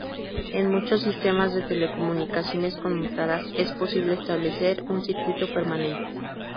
En muchos sistemas de telecomunicaciones conmutadas, es posible establecer un circuito permanente.